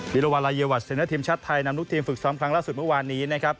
ิโรวาลัยวัชเนอร์ทีมชาติไทยนำลูกทีมฝึกซ้อมครั้งล่าสุดเมื่อวานนี้นะครับ